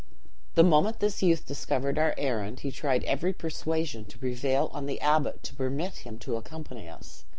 "The moment this youth discovered our errand he tried every persuasion to prevail on the abbot to permit him to accompany us.